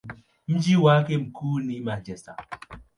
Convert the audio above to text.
Mji wake mkuu ni Manchester.